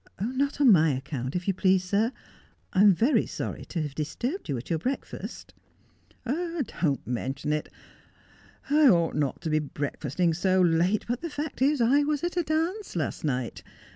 ' Not on my account, if you please, sir. I am very sorry to have disturbed you at your breakfast.' ' Don't mention it. I ought not to be breakfasting so late, but the fact is, I was at a dance last night.